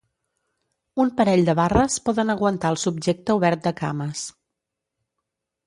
Un parell de barres poden aguantar el subjecte obert de cames.